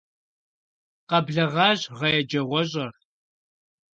Къэблэгъащ гъэ еджэгъуэщIэр.